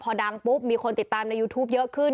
พอดังปุ๊บมีคนติดตามในยูทูปเยอะขึ้น